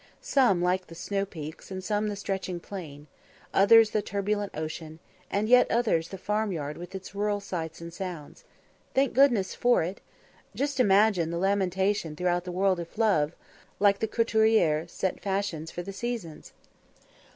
Some like the snow peaks and some the stretching plain; others the turbulent ocean, and yet others the farmyard with its rural sights and sounds. Thank goodness for it! Just imagine the lamentation throughout the world if love, like the couturière set fashions for the seasons!